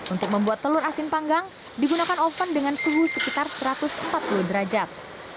untuk membuat telur asin panggang digunakan oven dengan suhu sekitar satu ratus empat puluh derajat